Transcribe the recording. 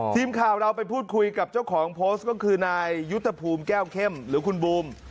ทีมข่าวเราไปพูดคุยกับเจ้าของโพสต์ก็คือนายยุทธภูมิแก้วเข้มหรือคุณบูม